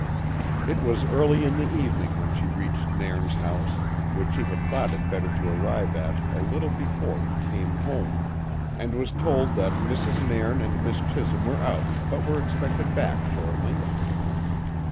It was early in the evening when she reached Nairn's house, which she had thought it better to arrive at a little before he came home, and was told that Mrs. Nairn and Miss Chisholm were out but were expected back shortly.